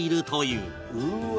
「うわ」